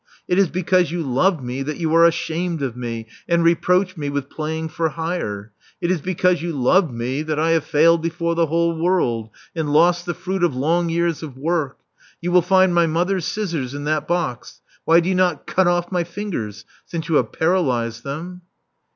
It is because you love me that you are ashamed of me and reproach me with playing for hire. It is because you love me that I have failed before the whole world, and lost the fruit of long years of work. You will find my mother's scissors in that box. Why do you not cut oflE my fingers, since you have paralysed them?"